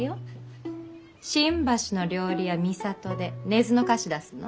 新橋の料理屋巳佐登で根津の菓子出すの？